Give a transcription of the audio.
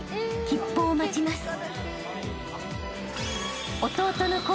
［吉報を待ちます］